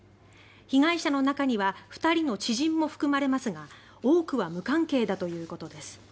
被害者の中には２人の知人も含まれますが多くは無関係だということです。